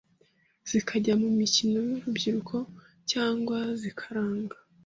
zikajya mu mikino y’urubyiruko cyangwa zikaranga